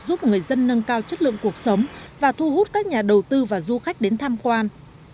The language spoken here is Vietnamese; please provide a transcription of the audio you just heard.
giúp người dân nâng cao chất lượng cuộc sống và thu hút các nhà đầu tư và du khách đến tham quan